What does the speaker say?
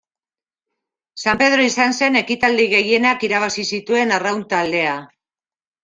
San Pedro izan zen ekitaldi gehienak irabazi zituen arraun taldea.